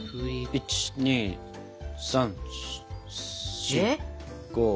１２３４５。